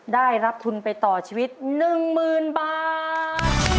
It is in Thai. ได้รับทุนไปต่อชีวิต๑๐๐๐บาท